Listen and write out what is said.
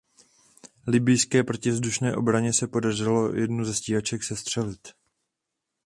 Libyjské protivzdušné obraně se podařilo jednu ze stíhaček sestřelit.